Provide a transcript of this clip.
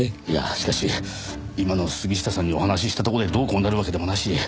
いやしかし今の杉下さんにお話ししたとこでどうこうなるわけでもなし。